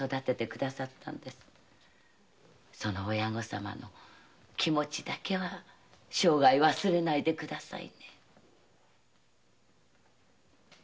その親御様の気持ちだけは生涯忘れないでくださいね。